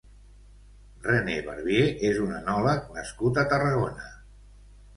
René Barbier és un enòleg nascut a Tarragona.